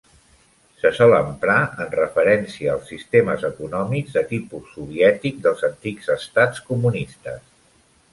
Se sol emprar en referència als sistemes econòmics de tipus soviètic dels antics estats comunistes.